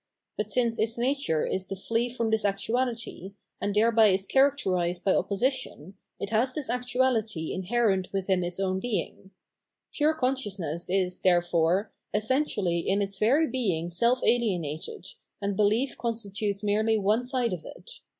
But since its nature is to flee from this actuality, and thereby is characterised by opposition, it has this actuality inherent within its own being ; pure consciousness is, therefore, essentially in its very bemg self alienated, and belief constitutes merely one side of it.